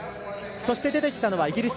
そして、出てきたのはイギリス。